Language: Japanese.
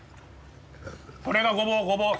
これがごぼうごぼう。